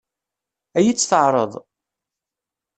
Ad iyi-tt-teɛṛeḍ?